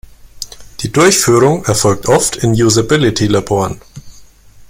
Die Durchführung erfolgt oft in Usability-Laboren.